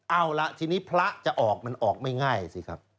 เอาล่ะทีนี้พระจะออกมันออกไม่ง่ายสิครับ